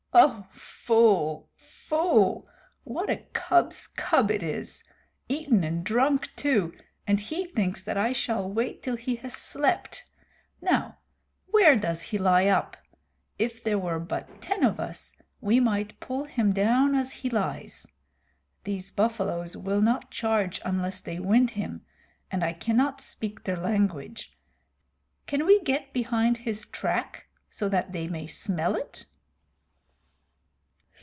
"Oh! Fool, fool! What a cub's cub it is! Eaten and drunk too, and he thinks that I shall wait till he has slept! Now, where does he lie up? If there were but ten of us we might pull him down as he lies. These buffaloes will not charge unless they wind him, and I cannot speak their language. Can we get behind his track so that they may smell it?"